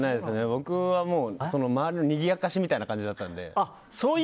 僕は周りのにぎやかしみたいな感じだったので。